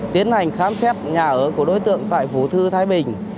tiến hành khám xét nhà ở của đối tượng tại vũ thư thái bình